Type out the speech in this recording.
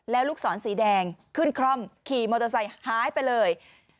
แล้วลูกศรสีแดงขึ้นคร่อมขี่มอเตอร์ไซค์หายไปเลย